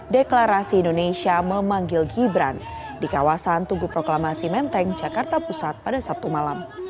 deklarasi indonesia memanggil gibran di kawasan tugu proklamasi menteng jakarta pusat pada sabtu malam